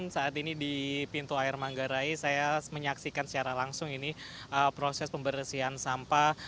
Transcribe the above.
saat ini di pintu air manggarai saya menyaksikan secara langsung ini proses pembersihan sampah